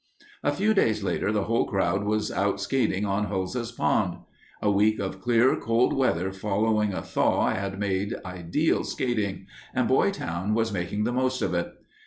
A few days later the whole crowd was out skating on Hulse's Pond. A week of clear, cold weather following a thaw had made ideal skating, and Boytown was making the most of it.